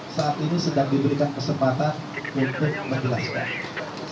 saat ini sedang diberikan kesempatan untuk menjelaskan